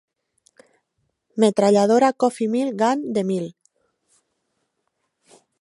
Metralladora Coffee Mill Gun de Mill.